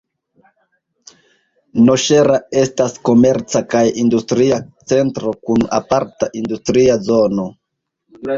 Noŝera estas komerca kaj industria centro kun aparta industria zono.